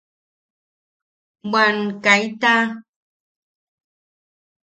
¡¡Bwan kaita!!